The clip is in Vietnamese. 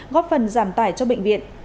góp phần giảm tải cho bệnh viện